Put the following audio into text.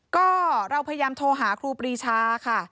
ก็เราพยายามโทรหาครูปรีชาค่ะ